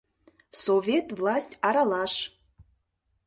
Совет власть аралаш